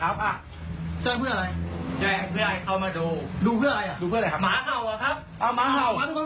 แกไม่พูดว่าเฮ้มีช่างงาน